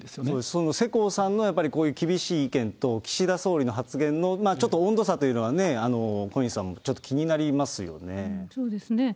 その世耕さんのやっぱりこういう厳しい意見と、岸田総理の発言の、ちょっと温度差というのはね、小西さん、そうですね。